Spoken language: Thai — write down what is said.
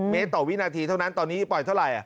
เมตรต่อวินาทีเท่านั้นตอนนี้ปล่อยเท่าไหร่